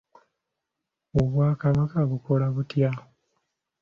Obwakabaka bukola butya?